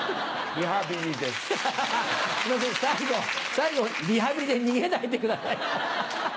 最後リハビリで逃げないでくださいよ。